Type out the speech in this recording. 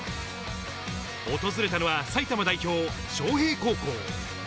訪れたのは埼玉代表・昌平高校。